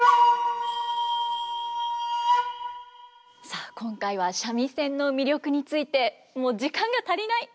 さあ今回は三味線の魅力についてもう時間が足りない！